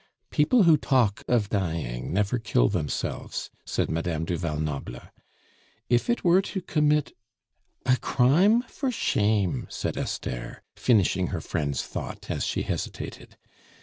"People who talk of dying never kill themselves," said Madame du Val Noble. "If it were to commit " "A crime? For shame!" said Esther, finishing her friend's thought, as she hesitated.